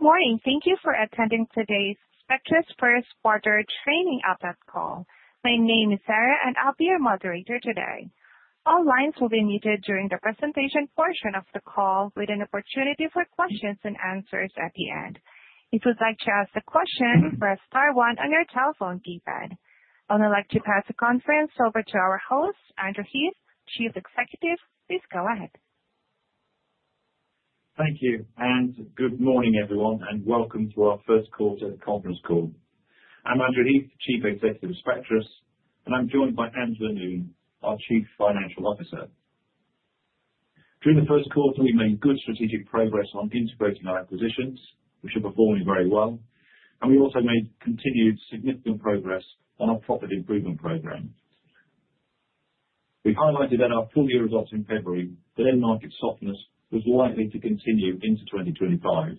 Good morning. Thank you for attending today's Spectris First-quarter Trading Update Call. My name is Sarah, and I'll be your moderator today. All lines will be muted during the presentation portion of the call with an opportunity for questions and answers at the end. If you'd like to ask a question, press star one on your telephone keypad. I'd now like to pass the conference over to our host, Andrew Heath, Chief Executive. Please go ahead. Thank you, and good morning, everyone, and welcome to our first quarter conference call. I'm Andrew Heath, Chief Executive of Spectris, and I'm joined by Angela Noon, our Chief Financial Officer. During the first quarter, we made good strategic progress on integrating our acquisitions, which are performing very well, and we also made continued significant progress on our profit improvement program. We highlighted that at our full-year results in February, but end-market softness was likely to continue into 2025,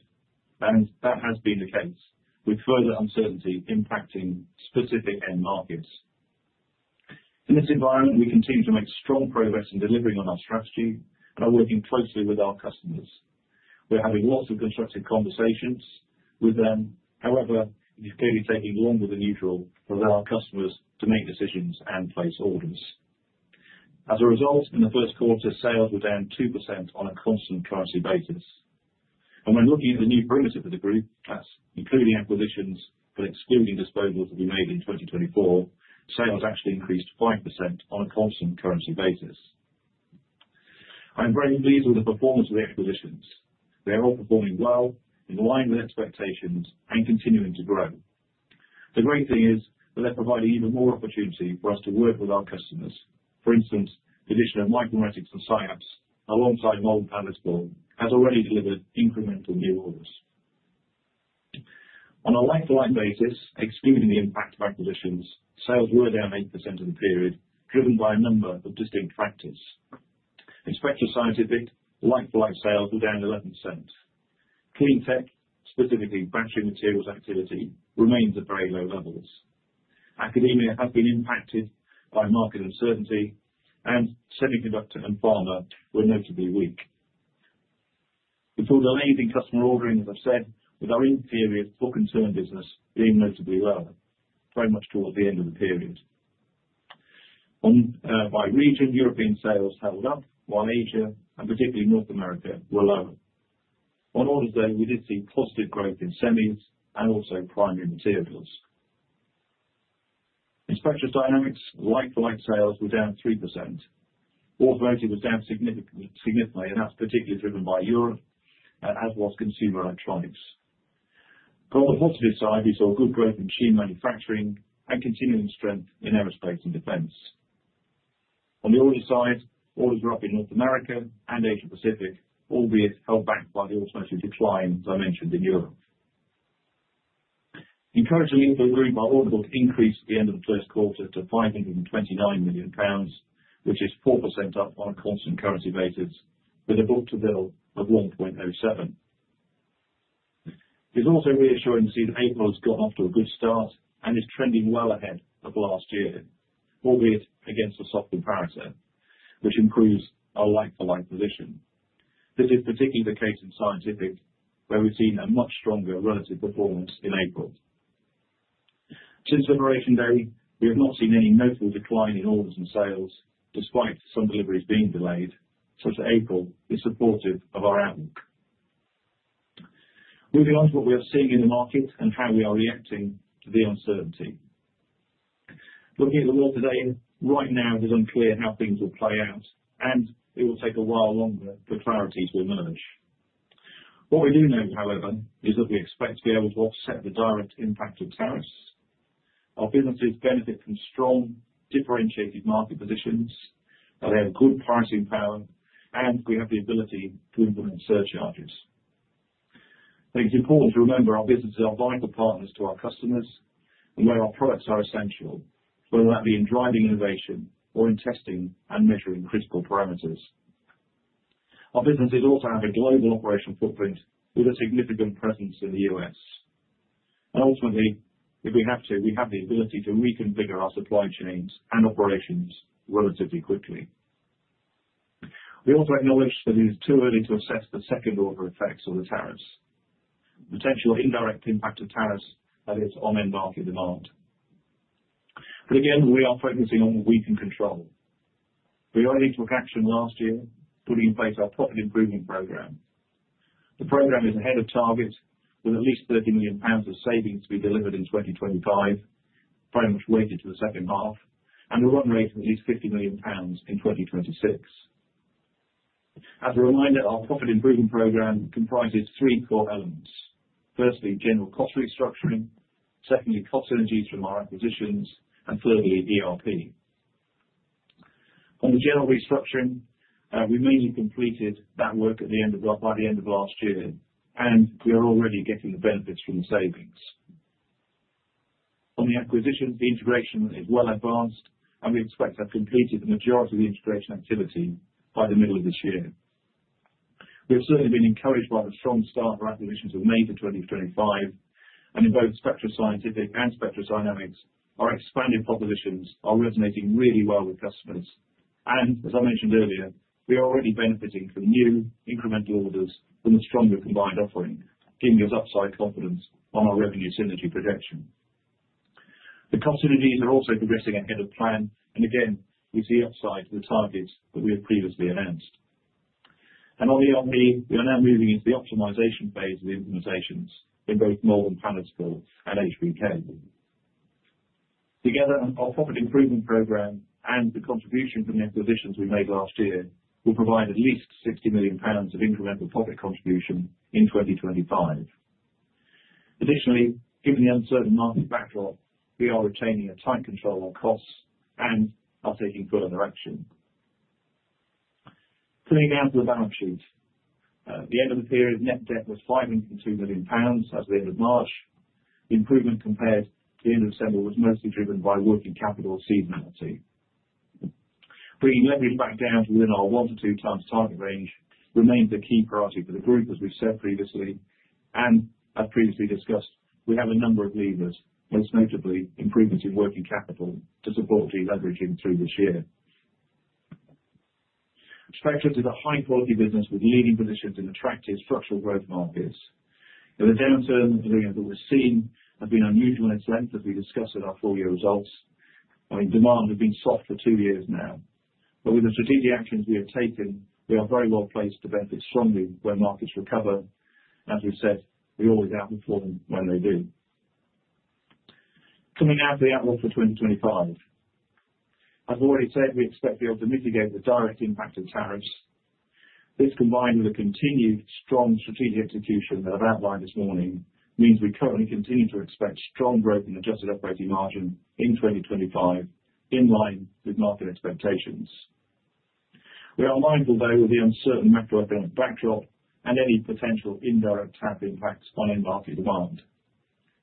and that has been the case, with further uncertainty impacting specific end markets. In this environment, we continue to make strong progress in delivering on our strategy and are working closely with our customers. We're having lots of constructive conversations with them; however, it is clearly taking longer than usual for our customers to make decisions and place orders. As a result, in the first quarter, sales were down 2% on a constant currency basis. When looking at the new primitive of the group, that's including acquisitions but excluding disposals that we made in 2024, sales actually increased 5% on a constant currency basis. I'm very pleased with the performance of the acquisitions. They're all performing well, in line with expectations, and continuing to grow. The great thing is that they're providing even more opportunity for us to work with our customers. For instance, the addition of Micromeritics and SciAps, alongside Malvern Panalytical, has already delivered incremental new orders. On a like-for-like basis, excluding the impact of acquisitions, sales were down 8% in the period, driven by a number of distinct factors. In Spectris Scientific, like-for-like sales were down 11%. Cleantech, specifically battery materials activity, remains at very low levels. Academia has been impacted by market uncertainty, and semiconductor and pharma were notably weak. We saw delays in customer ordering, as I've said, with our in-period book and turn business being notably lower, very much towards the end of the period. By region, European sales held up, while Asia and particularly North America were lower. On orders, though, we did see positive growth in semis and also primary materials. In Spectris Dynamics, like-for-like sales were down 3%. Automotive was down significantly, and that is particularly driven by Europe, as was consumer electronics. On the positive side, we saw good growth in machine manufacturing and continuing strength in aerospace and defence. On the order side, orders were up in North America and Asia-Pacific, albeit held back by the automotive decline, as I mentioned, in Europe. Encouragingly, we were agreeing on our order book increase at the end of the first quarter to 529 million pounds, which is 4% up on a constant currency basis, with a book-to-bill of 1.07. It's also reassuring to see that April has gotten off to a good start and is trending well ahead of last year, albeit against a soft comparison, which improves our like-for-like position. This is particularly the case in Scientific, where we've seen a much stronger relative performance in April. Since Liberation Day, we have not seen any notable decline in orders and sales, despite some deliveries being delayed, such that April is supportive of our outlook. Moving on to what we are seeing in the market and how we are reacting to the uncertainty. Looking at the world today, right now, it is unclear how things will play out, and it will take a while longer for clarity to emerge. What we do know, however, is that we expect to be able to offset the direct impact of tariffs. Our businesses benefit from strong, differentiated market positions, that they have good pricing power, and we have the ability to implement surcharges. I think it's important to remember our businesses are vital partners to our customers and know our products are essential, whether that be in driving innovation or in testing and measuring critical parameters. Our businesses also have a global operational footprint with a significant presence in the U.S. Ultimately, if we have to, we have the ability to reconfigure our supply chains and operations relatively quickly. We also acknowledge that it is too early to assess the second-order effects of the tariffs, the potential indirect impact of tariffs, that is, on end-market demand. Again, we are focusing on what we can control. We already took action last year, putting in place our profit improvement program. The program is ahead of target, with at least 30 million pounds of savings to be delivered in 2025, very much weighted to the second half, and we are running rate at least 50 million pounds in 2026. As a reminder, our profit improvement program comprises three core elements. Firstly, general cost restructuring. Secondly, cost synergies from our acquisitions. Thirdly, ERP. On the general restructuring, we mainly completed that work by the end of last year, and we are already getting the benefits from the savings. On the acquisitions, the integration is well advanced, and we expect to have completed the majority of the integration activity by the middle of this year. We've certainly been encouraged by the strong start for acquisitions of May to 2025, and in both Spectris Scientific and Spectris Dynamics, our expanded propositions are resonating really well with customers. As I mentioned earlier, we are already benefiting from new incremental orders from the stronger combined offering, giving us upside confidence on our revenue synergy projection. The cost synergies are also progressing ahead of plan, and again, we see upside to the targets that we have previously announced. On the ERP, we are now moving into the optimisation phase of the implementations in both Malvern Panalytical and HBK. Together, our profit improvement program and the contribution from the acquisitions we made last year will provide at least 60 million pounds of incremental profit contribution in 2025. Additionally, given the uncertain market backdrop, we are retaining a tight control on costs and are taking further action. Turning now to the balance sheet, the end of the period net debt was 502 million pounds as of the end of March. The improvement compared to the end of December was mostly driven by working capital seasonality. Bringing leverage back down to within our 1-2x target range remains a key priority for the group, as we have said previously. As previously discussed, we have a number of levers, most notably improvements in working capital to support deleveraging through this year. Spectris is a high-quality business with leading positions in attractive structural growth markets. In the downturn that we've seen, it has been unusual in its length, as we discussed in our full-year results. I mean, demand has been soft for two years now. With the strategic actions we have taken, we are very well placed to benefit strongly when markets recover. As we've said, we always outperform when they do. Coming out of the outlook for 2025, as I've already said, we expect to be able to mitigate the direct impact of tariffs. This, combined with the continued strong strategic execution that I've outlined this morning, means we currently continue to expect strong growth in adjusted operating margin in 2025, in line with market expectations. We are mindful, though, of the uncertain macroeconomic backdrop and any potential indirect tax impacts on end-market demand.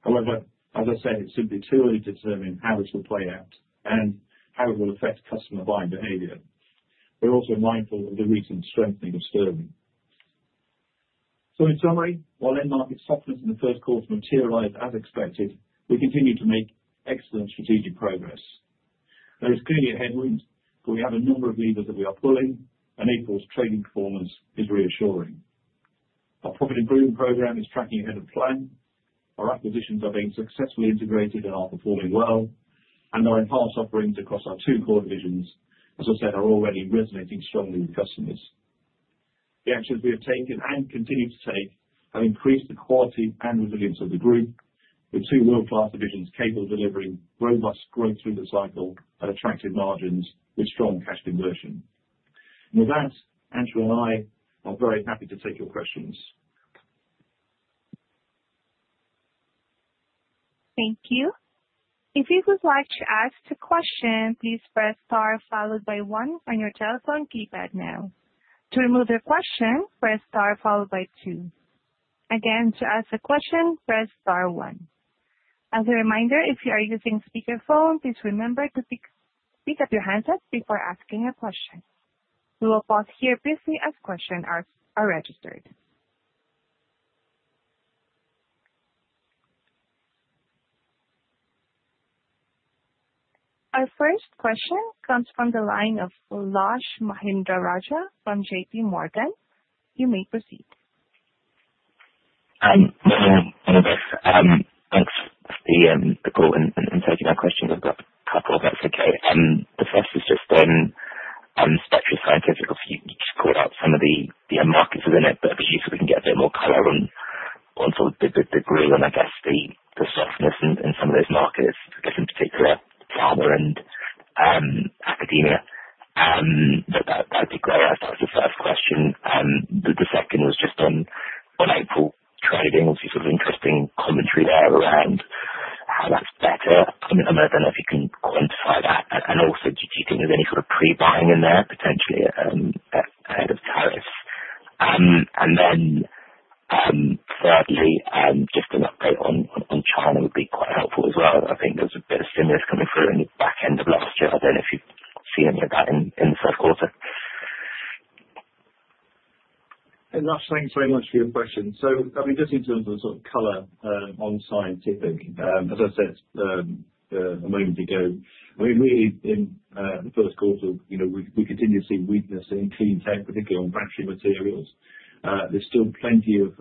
However, as I said, it's simply too early to determine how this will play out and how it will affect customer buying behavior. We're also mindful of the recent strengthening of Sterling. In summary, while end-market softness in the first quarter materialized as expected, we continue to make excellent strategic progress. There is clearly a headwind, but we have a number of levers that we are pulling, and April's trading performance is reassuring. Our profit improvement program is tracking ahead of plan. Our acquisitions are being successfully integrated and are performing well, and our enhanced offerings across our two core divisions, as I said, are already resonating strongly with customers. The actions we have taken and continue to take have increased the quality and resilience of the group, with two world-class divisions capable of delivering robust growth through the cycle and attractive margins with strong cash conversion. Angela and I are very happy to take your questions. Thank you. If you would like to ask a question, please press star followed by one on your telephone keypad now. To remove your question, press star followed by two. Again, to ask a question, press star one. As a reminder, if you are using speakerphone, please remember to pick up your handset before asking a question. We will pause here briefly as questions are registered. Our first question comes from the line of Raj Mahendra Raja from JPMorgan. You may proceed. Hi, good morning, Angela. Thanks for the call and taking my questions. I've got a couple of them, if that's okay. The first is just Spectris Scientific. You just called out some of the end markets within it, but it'd be useful if we can get a bit more colour on sort of the green and, I guess, the softness in some of those markets, I guess, in particular, pharma and academia. That would be great if that was the first question. The second was just on April trading, obviously, sort of interesting commentary there around how that's better. I don't know if you can quantify that. Also, do you think there's any sort of pre-buying in there, potentially, ahead of tariffs? Thirdly, just an update on China would be quite helpful as well. I think there was a bit of stimulus coming through in the back end of last year. I don't know if you've seen any of that in the first quarter. Lastly, thanks very much for your question. Just in terms of the sort of color on Scientific, as I said a moment ago, really, in the first quarter, we continue to see weakness in cleantech, particularly on battery materials. There's still plenty of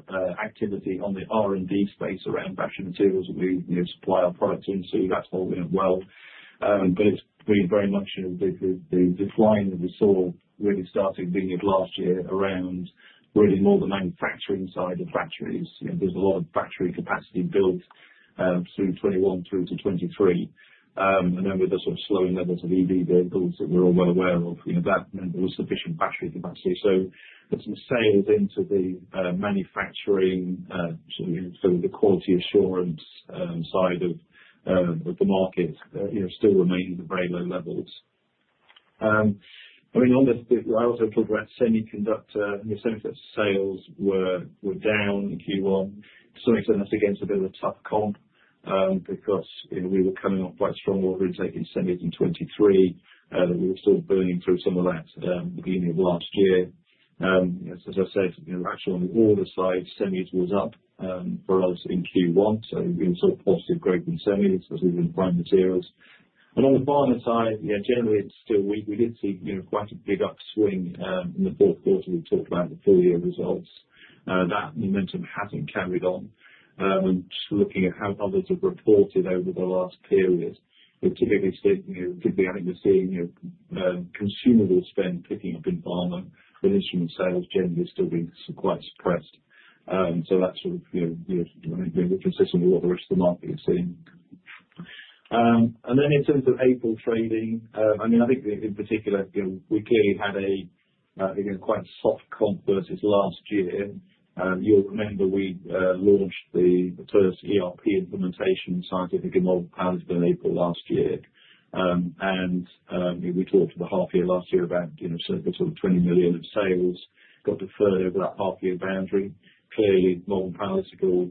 activity in the R&D space around battery materials that we supply our products in, so that's all well. It's been very much the decline that we saw really starting at the end of last year around really more the manufacturing side of batteries. There's a lot of battery capacity built through 2021 through to 2023. With the sort of slowing levels of EV vehicles that we're all well aware of, that meant there was sufficient battery capacity. The sales into the manufacturing, sort of the quality assurance side of the market, still remain at very low levels. I mean, I also talked about semiconductor; semiconductor sales were down in Q1. To some extent, that's against a bit of a tough comp because we were coming off quite strong order intake in semis in 2023. We were still burning through some of that at the beginning of last year. As I said, actually, on the order side, semis was up for us in Q1, so we saw positive growth in semis because we were in prime materials. On the pharma side, yeah, generally, it's still we did see quite a big upswing in the fourth quarter, we talked about the full-year results. That momentum hasn't carried on. Just looking at how others have reported over the last period, typically speaking, typically, I think we're seeing consumer spend picking up in pharma, but instrument sales generally still being quite suppressed. That is sort of consistent with what the rest of the market is seeing. In terms of April trading, I mean, I think in particular, we clearly had a quite soft comp versus last year. You'll remember we launched the first ERP implementation in Scientific and Malvern Panalytical in April last year. We talked for the half year last year about sort of 20 million of sales got deferred over that half-year boundary. Clearly, Malvern Panalytical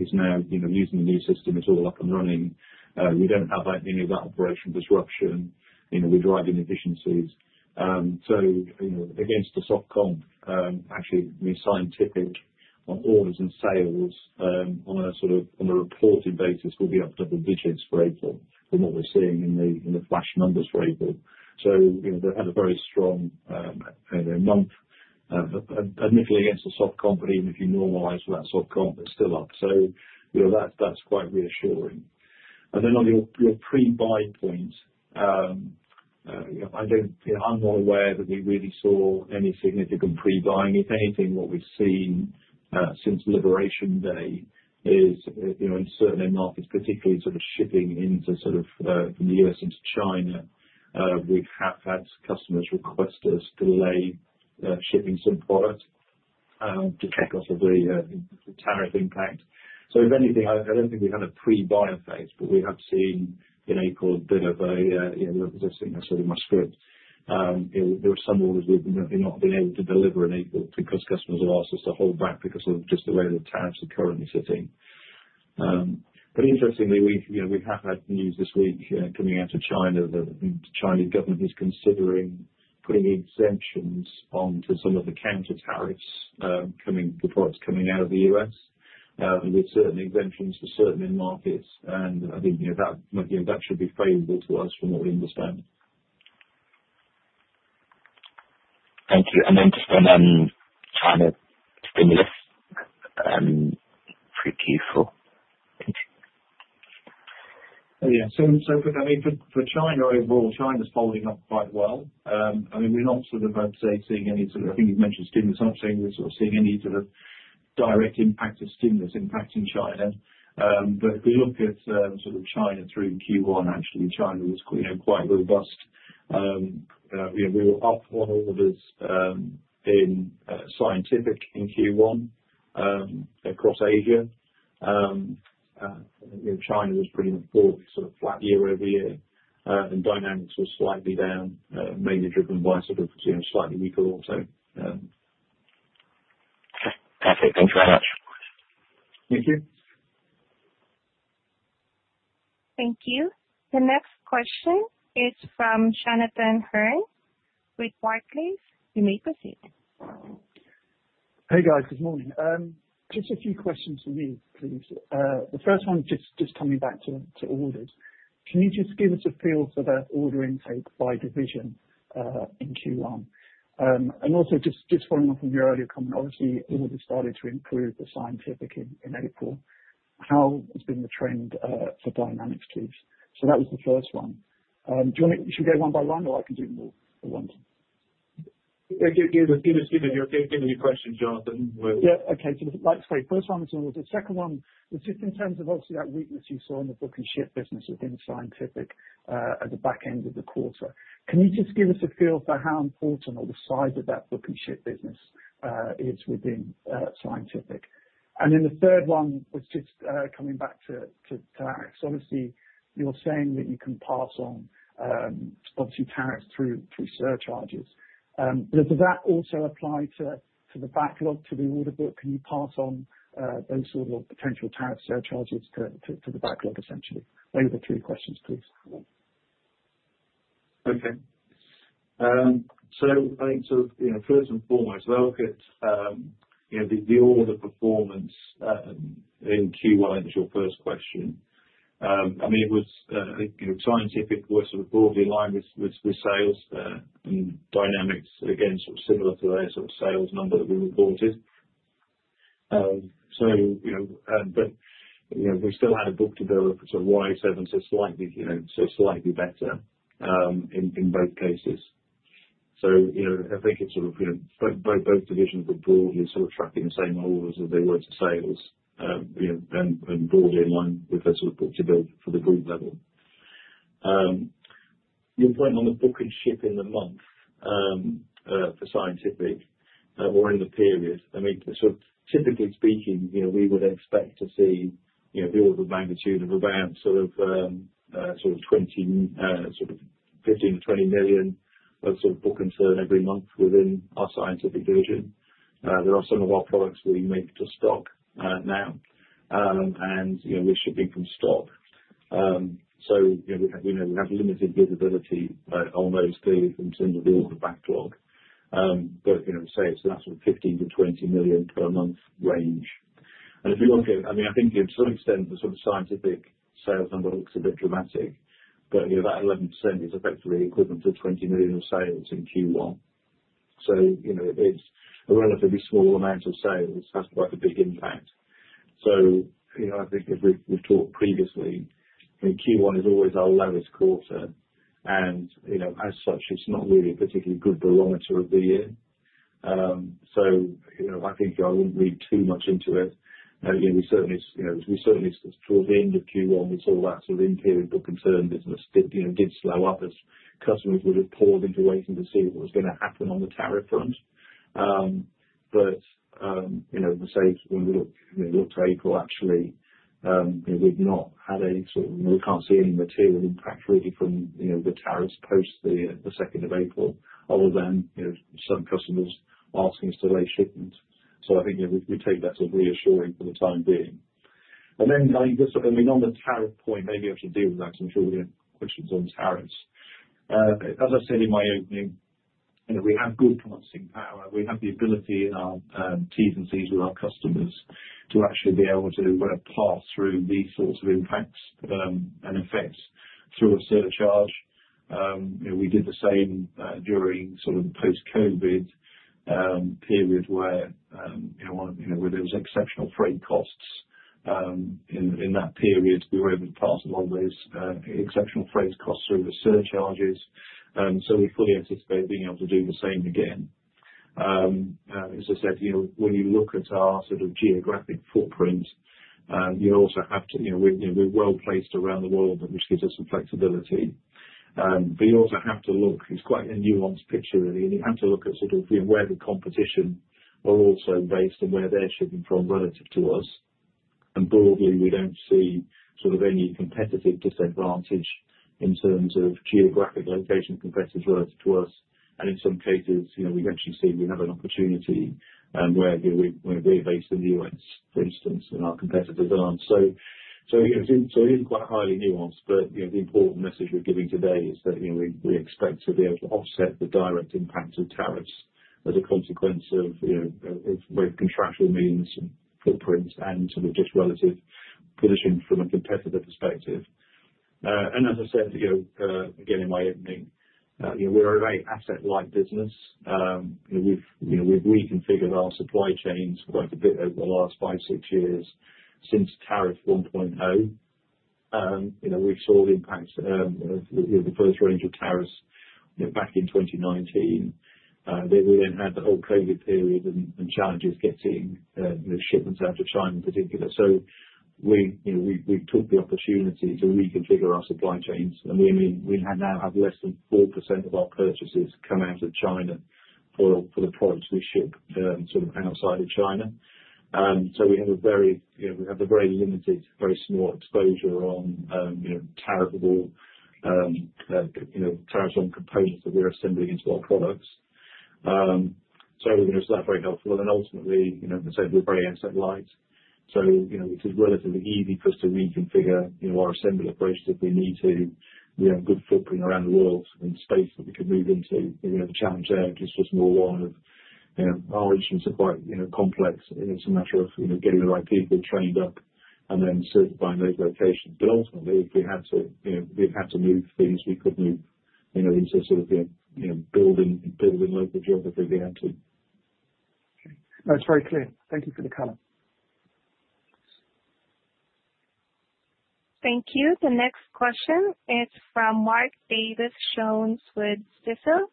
is now using the new system, it's all up and running. We do not have any of that operational disruption. We drive in efficiencies. Against a soft comp, actually, Scientific on orders and sales on a sort of reported basis will be up double digits for April from what we are seeing in the flash numbers for April. They've had a very strong month, admittedly against a soft comp, and if you normalize for that soft comp, it's still up. That's quite reassuring. On your pre-buy point, I'm not aware that we really saw any significant pre-buying. If anything, what we've seen since Liberation Day is, in certain end markets, particularly sort of shipping from the U.S. into China, we have had customers request us to delay shipping some product just because of the tariff impact. If anything, I don't think we've had a pre-buy phase, but we have seen in April a bit of a, as I said in my script, there were some orders we've not been able to deliver in April because customers have asked us to hold back because of just the way the tariffs are currently sitting. Interestingly, we have had news this week coming out of China that the Chinese government is considering putting exemptions onto some of the countertariffs for products coming out of the U.S. with certain exemptions for certain end markets. I think that should be favorable to us from what we understand. Thank you. China stimulus for Q4. Yeah. I mean, for China overall, China's following up quite well. I mean, we're not sort of, I'd say, seeing any sort of, I think you've mentioned stimulus. I'm not saying we're sort of seeing any sort of direct impact of stimulus impacting China. If we look at sort of China through Q1, actually, China was quite robust. We were up on orders in Scientific in Q1 across Asia. China was pretty much broadly sort of flat year-over-year, and Dynamics was slightly down, mainly driven by sort of slightly weaker auto. Okay. Perfect. Thank you very much. Thank you. Thank you. The next question is from Jonathan Hearn with Barclays. You may proceed. Hey, guys. Good morning. Just a few questions from me, please. The first one, just coming back to orders, can you just give us a feel for the order intake by division in Q1? Also, just following on from your earlier comment, obviously, orders started to improve for Scientific in April. How has been the trend for Dynamics, please? That was the first one. Do you want to, should we go one by one, or I can do them all at once? Give me your question, Jonathan. Yeah. Okay. Like I say, first one was orders. The second one was just in terms of obviously that weakness you saw in the book and ship business within Scientific at the back end of the quarter. Can you just give us a feel for how important or the size of that book and ship business is within Scientific? The third one was just coming back to tax. Obviously, you're saying that you can pass on, obviously, tariffs through surcharges. Does that also apply to the backlog, to the order book? Can you pass on those sort of potential tariff surcharges to the backlog, essentially? Those were the three questions, please. Okay. I think sort of first and foremost, look at the order performance in Q1, which is your first question. I mean, it was, I think, Scientific were sort of broadly aligned with sales and Dynamics, again, sort of similar to their sort of sales number that we reported. We still had a book-to-bill, so 1.07. Was slightly better in both cases. I think it's sort of both divisions were broadly sort of tracking the same orders as they were to sales and broadly in line with their sort of book-to-bill for the group level. Your point on the book and ship in the month for Scientific or in the period, I mean, typically speaking, we would expect to see the order of magnitude of about 15-20 million of book and turn every month within our Scientific division. There are some of our products we make to stock now, and we're shipping from stock. We have limited visibility on those clearly from terms of the order backlog. I'd say it's about 15 million-20 million per month range. If you look at, I mean, I think to some extent, the Scientific sales number looks a bit dramatic, but about 11% is effectively equivalent to 20 million of sales in Q1. It is a relatively small amount of sales. It has quite a big impact. I think as we've talked previously, I mean, Q1 is always our lowest quarter, and as such, it's not really a particularly good barometer of the year. I think I wouldn't read too much into it. We certainly, towards the end of Q1, saw that sort of in-period book and turn business did slow up as customers were just paused into waiting to see what was going to happen on the tariff front. I'd say when we look to April, actually, we've not had any sort of, we can't see any material impact really from the tariffs post the 2nd of April, other than some customers asking us to delay shipments. I think we take that sort of reassuring for the time being. I mean, on the tariff point, maybe I should deal with that because I'm sure we have questions on tariffs. As I said in my opening, we have good pricing power. We have the ability in our Ts and Cs with our customers to actually be able to pass through these sorts of impacts and effects through a surcharge. We did the same during sort of the post-COVID period where there were exceptional freight costs. In that period, we were able to pass a lot of those exceptional freight costs through the surcharges. We fully anticipate being able to do the same again. As I said, when you look at our sort of geographic footprint, you also have to, we're well placed around the world, which gives us some flexibility. You also have to look, it's quite a nuanced picture, really. You have to look at sort of where the competition are also based and where they're shipping from relative to us. Broadly, we do not see sort of any competitive disadvantage in terms of geographic location competitors relative to us. In some cases, we actually see we have an opportunity where we are based in the U.S., for instance, and our competitors are not. It is quite highly nuanced, but the important message we are giving today is that we expect to be able to offset the direct impact of tariffs as a consequence of both contractual means and footprint and sort of just relative position from a competitive perspective. As I said again in my opening, we are a very asset-light business. We have reconfigured our supply chains quite a bit over the last five or six years since tariff 1.0. We saw the impact of the first range of tariffs back in 2019. We then had the whole COVID period and challenges getting shipments out of China in particular. We took the opportunity to reconfigure our supply chains. We now have less than 4% of our purchases come out of China for the products we ship sort of outside of China. We have a very limited, very small exposure on tariffable tariffs on components that we are assembling into our products. I think that is very helpful. Ultimately, as I said, we are very asset-light. It is relatively easy for us to reconfigure our assembly approach if we need to. We have good footprint around the world in space that we can move into. The challenge there is just more one of our instruments are quite complex. It is a matter of getting the right people trained up and then certifying those locations. Ultimately, if we had to, we'd have to move things we could move into sort of building local geography if we had to. Okay. That's very clear. Thank you for the color. Thank you. The next question is from Mark Davies Jones with Stifel.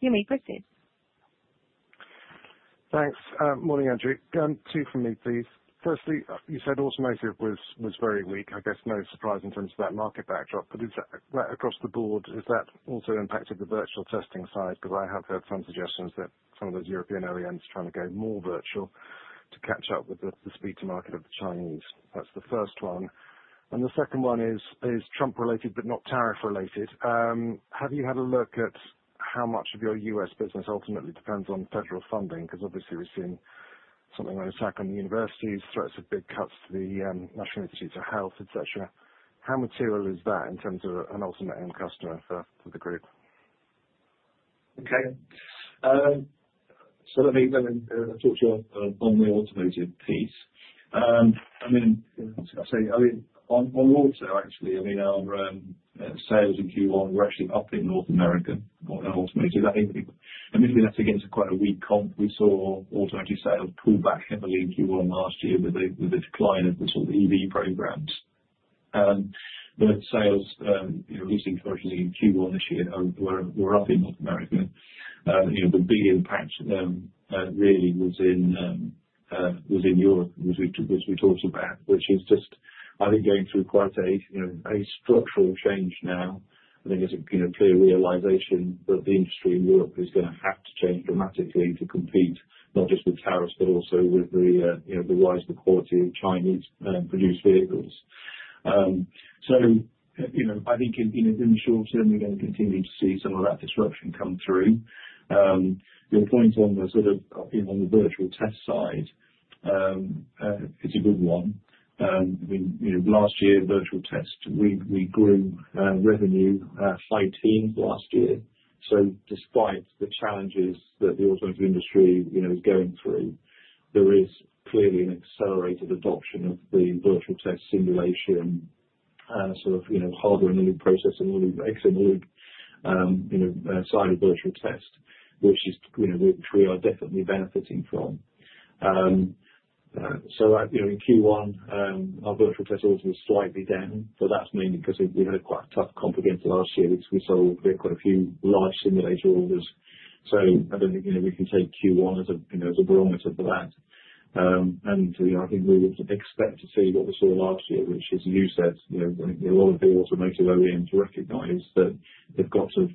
You may proceed. Thanks. Morning, Andrew. Two for me, please. Firstly, you said automotive was very weak. I guess no surprise in terms of that market backdrop. Across the board, has that also impacted the virtual testing side? I have heard some suggestions that some of those European OEMs are trying to go more virtual to catch up with the speed to market of the Chinese. That's the first one. The second one is Trump-related but not tariff-related. Have you had a look at how much of your U.S. business ultimately depends on federal funding? Obviously, we've seen something like an attack on the universities, threats of big cuts to the National Institutes of Health, etc. How material is that in terms of an ultimate end customer for the group? Okay. Let me talk to you on the automotive piece. I mean, I'll say, I mean, on auto, actually, I mean, our sales in Q1 were actually up in North America on automotive. I mean, that's against quite a weak comp. We saw automotive sales pull back heavily in Q1 last year with the decline of the sort of EV programs. Sales, at least in Q1 this year, were up in North America. The big impact really was in Europe as we talked about, which is just, I think, going through quite a structural change now. I think it's a clear realisation that the industry in Europe is going to have to change dramatically to compete, not just with tariffs, but also with the rise in the quality of Chinese-produced vehicles. I think in the short term, we're going to continue to see some of that disruption come through. Your point on the sort of on the virtual test side, it's a good one. I mean, last year, virtual test, we grew revenue by teens last year. So despite the challenges that the automotive industry is going through, there is clearly an accelerated adoption of the virtual test simulation, sort of hardware in the loop processing, exit in the loop side of virtual test, which we are definitely benefiting from in Q1, our virtual test orders were slightly down, but that's mainly because we had quite a tough comp against last year. We saw quite a few large simulator orders. I don't think we can take Q1 as a barometer for that. I think we would expect to see what we saw last year, which is, as you said, a lot of the automotive OEMs recognize that they've got sort of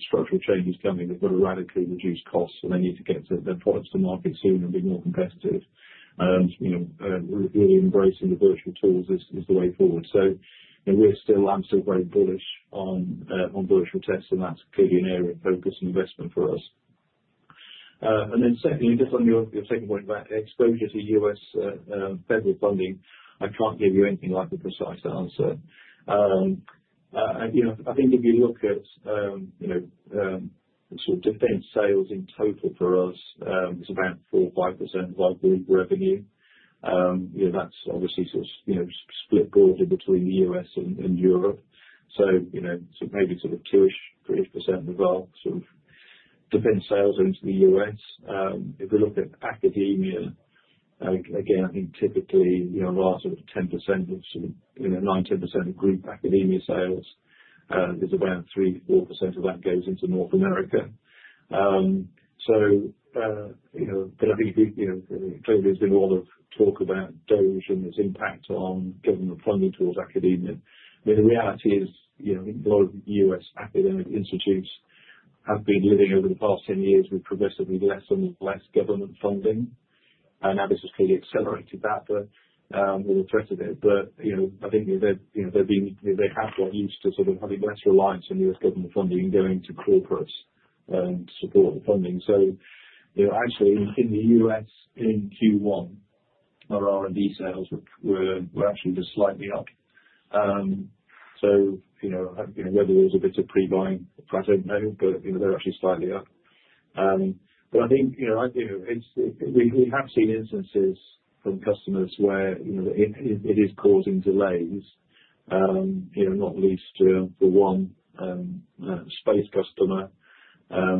structural changes coming. They've got to radically reduce costs, and they need to get their products to market soon and be more competitive. Really embracing the virtual tools is the way forward. I'm still very bullish on virtual tests, and that's clearly an area of focus and investment for us. Secondly, just on your second point about exposure to U.S. federal funding, I can't give you anything like a precise answer. I think if you look at sort of defense sales in total for us, it's about 4%-5% of our group revenue. That's obviously sort of split broadly between the U.S. and Europe. Maybe sort of 2%-3% of our sort of defense sales into the U.S. If we look at academia, again, I think typically our sort of 10% of sort of 9%-10% of group academia sales is about 3%-4% of that goes into North America. I think clearly there's been a lot of talk about DOGE and its impact on government funding towards academia. I mean, the reality is a lot of U.S. academic institutes have been living over the past 10 years with progressively less and less government funding. Now this has clearly accelerated that with the threat of it. I think they've had what used to sort of having less reliance on U.S. government funding going to corporates to support the funding. Actually, in the U.S., in Q1, our R&D sales were actually just slightly up. Whether there's a bit of pre-buying, I don't know, but they're actually slightly up. I think we have seen instances from customers where it is causing delays, not least for one space customer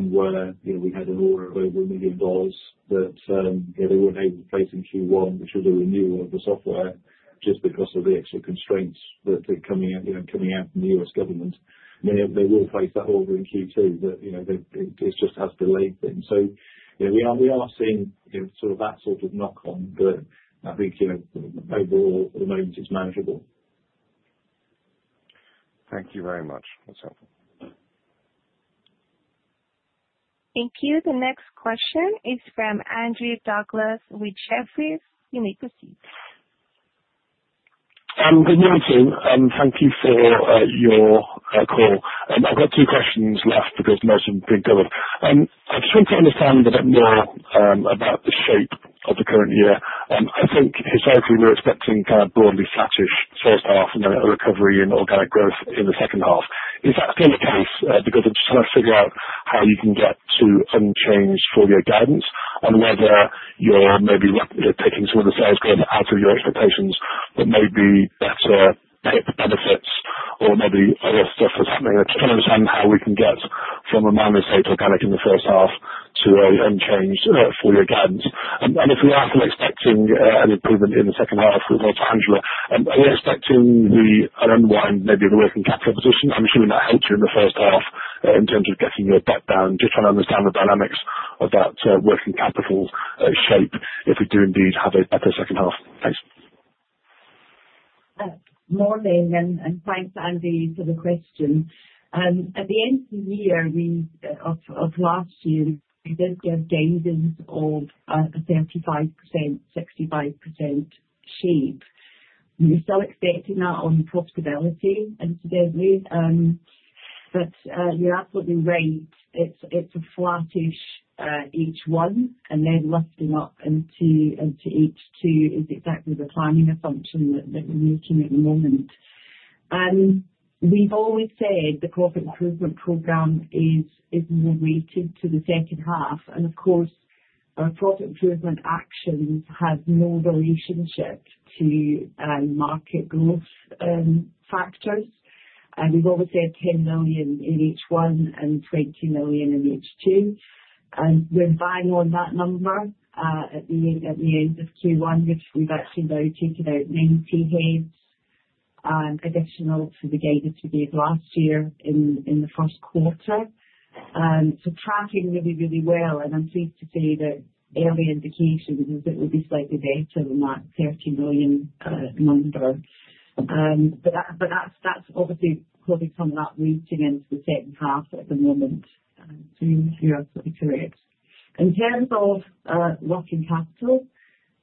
where we had an order of over $1 million that they were not able to place in Q1, which was a renewal of the software just because of the extra constraints that are coming out from the U.S. government. I mean, they will place that order in Q2, but it just has delayed things. We are seeing sort of that sort of knock-on, but I think overall, at the moment, it's manageable. Thank you very much. That's helpful. Thank you. The next question is from Andrew Douglas with Jefferies. You may proceed. Good morning, Tim. Thank you for your call. I've got two questions left because most have been covered. I just want to understand a bit more about the shape of the current year. I think historically, we were expecting kind of broadly flattish first half and a recovery in organic growth in the second half. Is that still the case? Because I just want to figure out how you can get to unchanged for your guidance and whether you're maybe taking some of the sales growth out of your expectations that may be better benefits, or maybe other stuff that's happening. I just want to understand how we can get from a minor state organic in the first half to an unchanged for your guidance. If we are still expecting an improvement in the second half with Angela, are you expecting an unwind maybe of the working capital position? I'm assuming that helps you in the first half in terms of getting your butt down, just trying to understand the dynamics of that working capital shape if we do indeed have a better second half. Thanks. Morning, and thanks, Andrew, for the question. At the end of the year of last year, we did get gains of a 35%, 65% shape. We're still expecting that on profitability in today's view, but you're absolutely right. It's a flattish H1, and then lifting up into H2 is exactly the timing of function that we're making at the moment. We've always said the profit improvement program is more weighted to the second half. Of course, our profit improvement actions have no relationship to market growth factors. We've always said 10 million in H1 and 20 million in H2. We're buying on that number at the end of Q1, which we've actually now taken out 90 heads additional to the guidance we gave last year in the first quarter. Tracking really, really well. I'm pleased to say that early indications is that we'll be slightly better than that 30 million number. That's obviously probably from that routing into the second half at the moment. You're absolutely correct. In terms of working capital,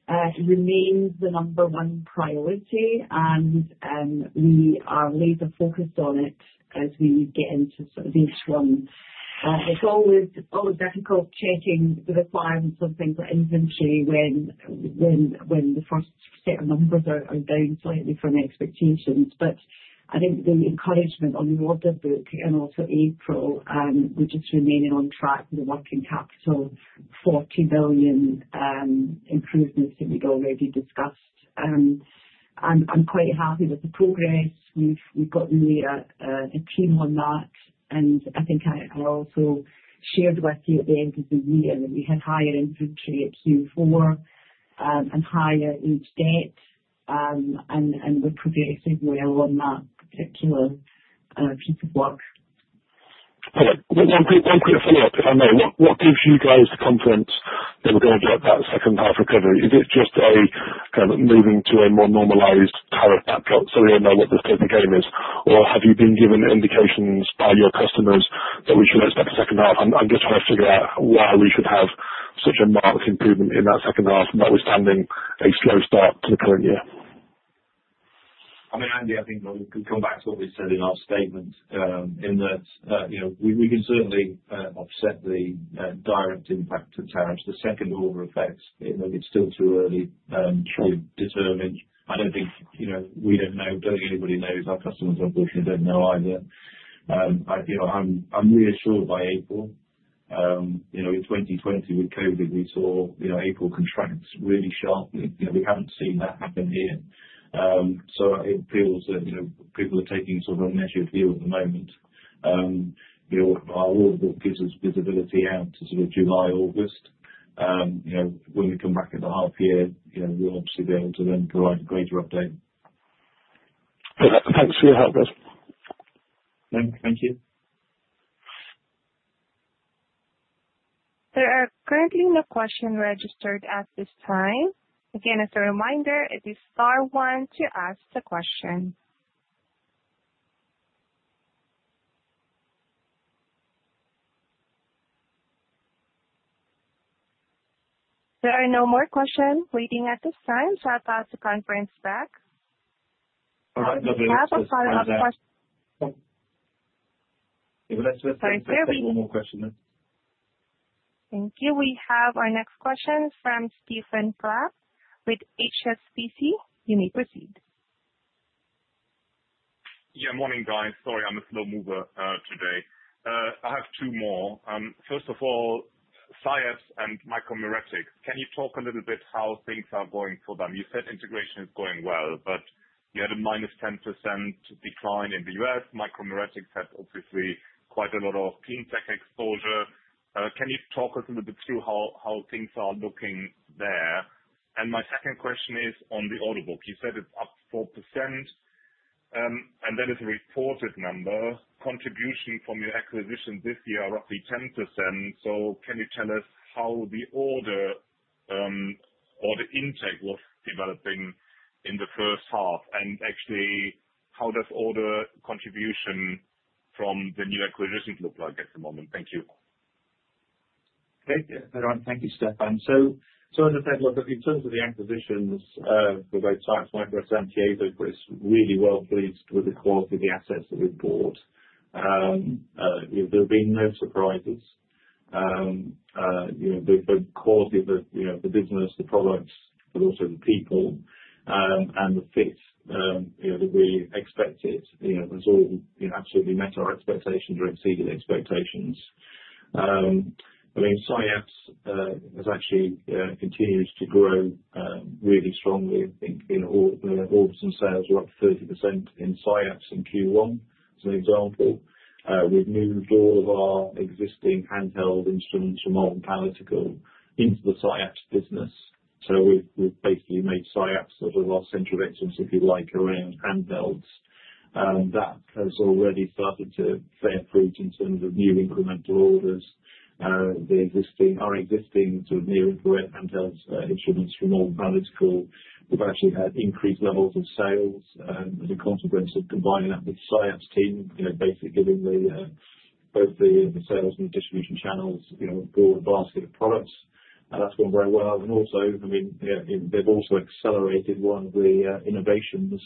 it remains the number one priority, and we are laser-focused on it as we get into sort of H1. It's always difficult checking the requirements of things like inventory when the first set of numbers are down slightly from expectations. I think the encouragement on the order book and also April, we're just remaining on track with the working capital, 40 million improvements that we've already discussed. I'm quite happy with the progress. We've gotten a team on that. I think I also shared with you at the end of the year that we had higher inventory at Q4 and higher each debt. We're progressing well on that particular piece of work. One quick follow-up, if I may. What gives you guys the confidence that we're going to get that second-half recovery? Is it just a kind of moving to a more normalised tariff backdrop so we don't know what the state of the game is? Or have you been given indications by your customers that we should expect a second half? I'm just trying to figure out why we should have such a marked improvement in that second half and that we're standing a slow start to the current year. I mean, Andrew, I think we could come back to what we said in our statement in that we can certainly offset the direct impact of tariffs. The second-order effects, it's still too early to determine. I don't think we don't know. I don't think anybody knows. Our customers, unfortunately, don't know either. I'm reassured by April. In 2020, with COVID, we saw April contracts really sharply. We haven't seen that happen here. It appears that people are taking sort of a measured view at the moment. Our order book gives us visibility out to sort of July, August. When we come back at the half year, we'll obviously be able to then provide a greater update. Thanks for your help, guys. Thank you. There are currently no questions registered at this time. Again, as a reminder, it is star one to ask the question. There are no more questions waiting at this time, so I'll pass the conference back. All right. We have a final question. Let's just one more question then. Thank you. We have our next question from Stephan Klepp with HSBC. You may proceed. Yeah, morning, guys. Sorry, I'm a slow mover today. I have two more. First of all, SciAps and Micromeritics, can you talk a little bit how things are going for them? You said integration is going well, but you had a -10% decline in the U.S. Micromeritics had obviously quite a lot of cleantech exposure. Can you talk us a little bit through how things are looking there? My second question is on the order book. You said it's up 4%, and that is a reported number. Contribution from your acquisition this year are roughly 10%. Can you tell us how the order or the intake was developing in the first half? Actually, how does order contribution from the new acquisitions look like at the moment? Thank you. Thank you, Stephan. As I said, look, in terms of the acquisitions, the website, Micromeritics, SciAps, is really well-placed with the quality of the assets that we've bought. There have been no surprises. The quality of the business, the products, but also the people and the fit that we expected, it's all absolutely met our expectations or exceeded expectations. I mean, SciAps has actually continued to grow really strongly. I think orders and sales were up 30% in SciAps in Q1, as an example. We've moved all of our existing handheld instruments from Malvern Panalytical into the SciAps business. We've basically made SciAps sort of our central excellence, if you like, around handhelds. That has already started to bear fruit in terms of new incremental orders. Our existing sort of new incremental handheld instruments from all analytical have actually had increased levels of sales as a consequence of combining that with the SciAps team, basically giving both the sales and the distribution channels a broad basket of products. That's gone very well. I mean, they've also accelerated one of the innovations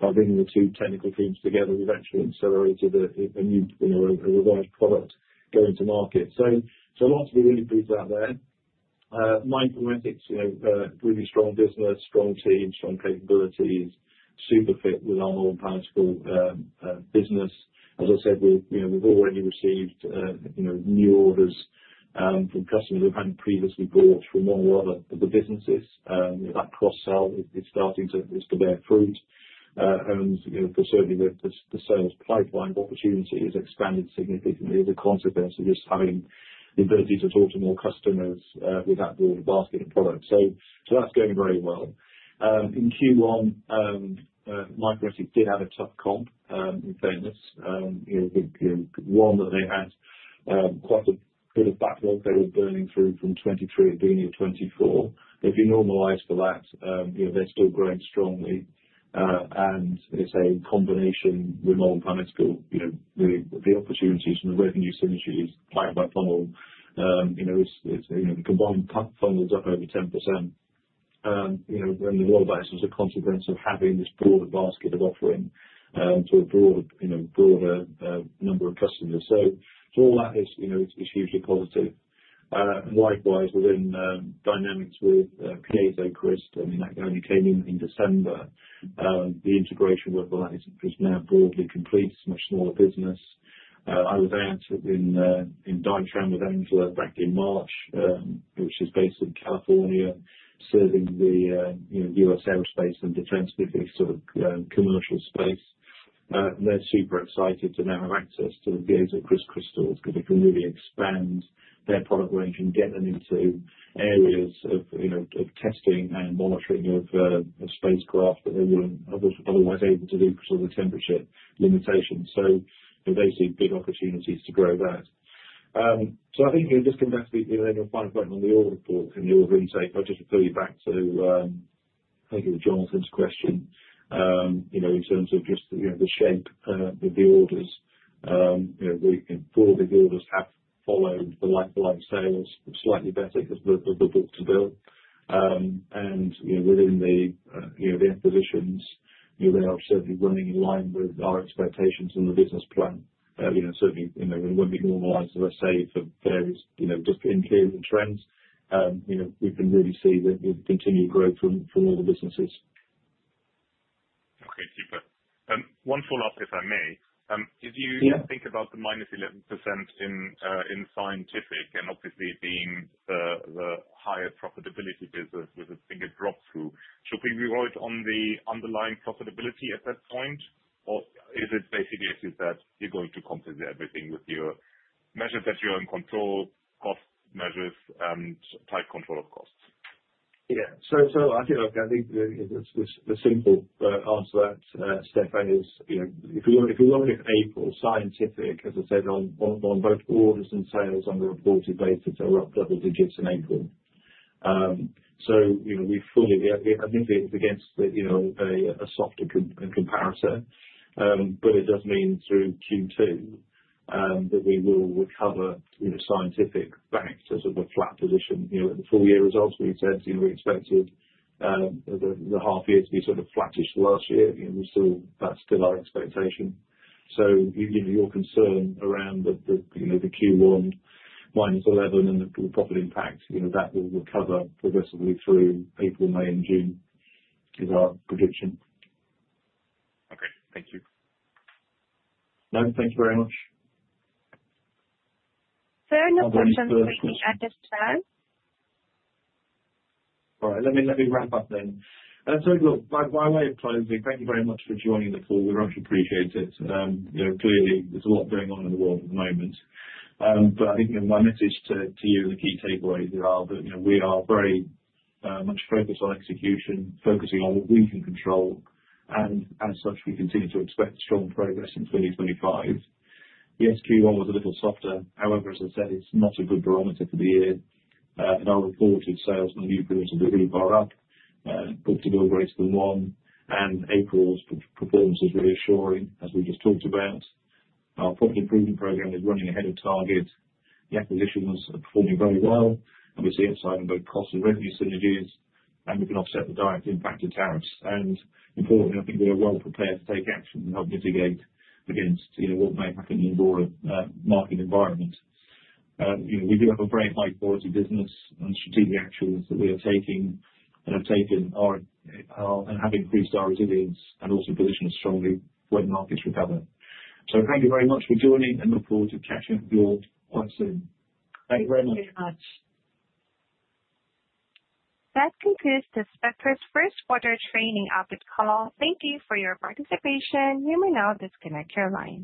by bringing the two technical teams together. We've actually accelerated a new revised product going to market. A lot to be really pleased about there. Micromeritics, really strong business, strong team, strong capabilities, super fit with our Malvern Panalytical business. As I said, we've already received new orders from customers who haven't previously bought from one or other of the businesses. That cross-sell is starting to bear fruit. Certainly, the sales pipeline opportunity has expanded significantly as a consequence of just having the ability to talk to more customers with that broad basket of products. That is going very well. In Q1, Micromeritics did have a tough comp in fairness. One that they had quite a bit of backlog they were burning through from 2023 at the beginning of 2024. If you normalize for that, they are still growing strongly. It is a combination with Malvern Panalytical. The opportunities and the revenue synergy are quite well funneled. Its combined funds are up over 10%. The low buyers was a consequence of having this broad basket of offering to a broader number of customers. All that is hugely positive. Likewise, within Dynamics with Piezocryst, I mean, Dytran who came in December, the integration with all that is now broadly complete. It is a much smaller business. I was out in Germany with Angela back in March, which is based in California, serving the U.S. aerospace and defense sort of commercial space. They're super excited to now have access to the Piezocryst crystals because they can really expand their product range and get them into areas of testing and monitoring of spacecraft that they were not otherwise able to do because of the temperature limitations. They see big opportunities to grow that. I think just coming back to the final point on the order book and the order intake, I'll just refer you back to, I think it was Jonathan's question, in terms of just the shape of the orders. Broadly, the orders have followed the like-for-like sales slightly better because of the book-to-bill. Within the acquisitions, they are certainly running in line with our expectations and the business plan. Certainly, when we normalize, as I say, for various just interior trends, we can really see the continued growth from all the businesses. Okay, super. One follow-up, if I may. If you think about the -11% in Scientific and obviously being the higher profitability business with a bigger drop-through, should we rewrite on the underlying profitability at that point? Or is it basically that you're going to compensate everything with your measures that you're in control, cost measures, and tight control of costs? Yeah. I think the simple answer to that, Stephan is if we look at April, Scientific, as I said, on both orders and sales on the reported basis, they're up double digits in April. I think it's against a softer comparison, but it does mean through Q2 that we will recover Scientific back to sort of a flat position. The full year results, we said we expected the half year to be sort of flattish last year. That's still our expectation. Your concern around the Q1 -11 and the profit impact, that will recover progressively through April, May, and June is our prediction. Okay. Thank you. No, thank you very much. Sir, no questions for me at this time. All right. Let me wrap up then. By way of closing, thank you very much for joining the call. We have actually appreciated it. Clearly, there is a lot going on in the world at the moment. I think my message to you and the key takeaways are that we are very much focused on execution, focusing on what we can control. As such, we continue to expect strong progress in 2025. Yes, Q1 was a little softer. However, as I said, it is not a good barometer for the year. Our reported sales and the new print have been really far up, book-to-bill greater than one. April's performance is reassuring, as we just talked about. Our profit improvement program is running ahead of target. The acquisitions are performing very well. We see upside in both cost and revenue synergies, and we can offset the direct impact of tariffs. Importantly, I think we are well prepared to take action to help mitigate against what may happen in the broader market environment. We do have a very high-quality business and strategic actions that we are taking have increased our resilience and also positioned us strongly when markets recover. Thank you very much for joining and look forward to catching up with you all quite soon. Thank you very much. That concludes this Spectris First Quarter Training Update Call. Thank you for your participation. You may now disconnect your line.